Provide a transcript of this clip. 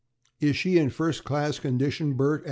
"Is she in first class condition, Bert?"